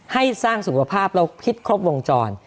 ให้สร้างสุขภาพเราคิดครบวงจร